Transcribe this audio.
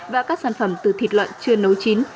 và các sản phẩm từ thịt lợn chưa nấu chín